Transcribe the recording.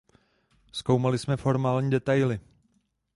Zkoumali jsme formální detaily.